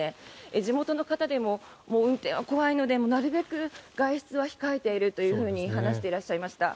地元の方でも運転は怖いのでなるべく外出は控えていると話していらっしゃいました。